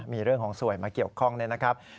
มีเรื่องของสวยมาเกี่ยวข้องเนี่ยนะครับ